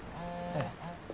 ええ。